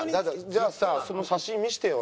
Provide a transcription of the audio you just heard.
じゃあさその写真見せてよ